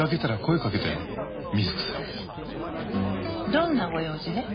どんなご用事で？